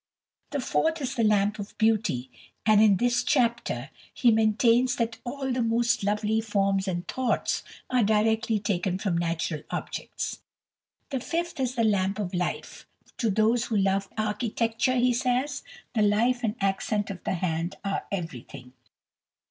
The fourth is the Lamp of Beauty, and in this chapter he maintains that "all the most lovely forms and thoughts" are directly taken from natural objects. The fifth is the Lamp of Life. "To those who love architecture," he says, "the life and accent of the hand are everything."